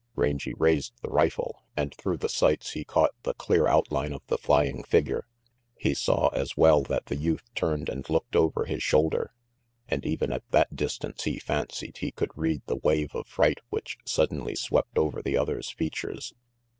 Rangy raised the rifle, and through the sights he caught the clear outline of the flying figure. He saw, as well, that the youth turned and looked over his shoulder, and even at that distance he fancied he 346 RANGY PETE could read the wave of fright which suddenly swept over the other's features.